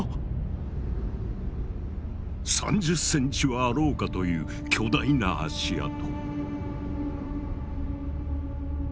３０ｃｍはあろうかという巨大な足跡。